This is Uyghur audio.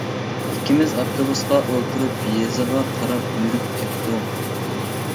ئىككىمىز ئاپتوبۇسقا ئولتۇرۇپ، يېزىغا قاراپ يۈرۈپ كەتتۇق.